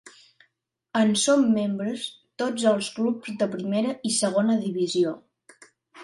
En són membres tots els clubs de Primera i Segona divisió.